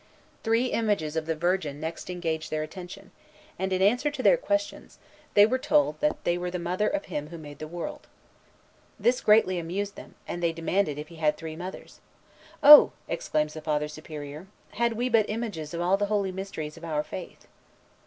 Three images of the Virgin next engaged their attention; and, in answer to their questions, they were told that they were the mother of Him who made the world. This greatly amused them, and they demanded if he had three mothers. "Oh!" exclaims the Father Superior, "had we but images of all the holy mysteries of our faith!